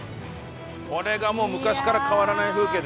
これがもう昔から変わらない風景です。